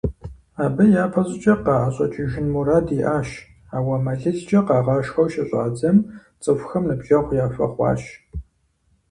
Абы япэщӀыкӀэ къаӀэщӀэкӀыжын мурад иӀащ, ауэ мэлылкӀэ къагъашхэу щыщӀадзэм, цӀыхухэм ныбжьэгъу яхуэхъуащ.